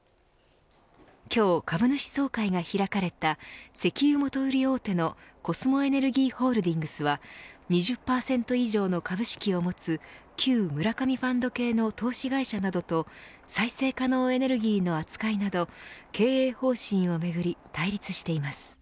今日、株主総会が開かれた石油元売り大手のコスモエネルギーホールディングスは２０％以上の株式を持つ旧村上ファンド系の投資会社などと再生可能エネルギーの扱いなど経営方針をめぐり対立しています。